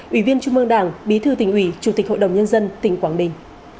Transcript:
ủy viên trung mương đảng bí thư tỉnh ủy chủ tịch hội đồng nhân dân tỉnh quảng bình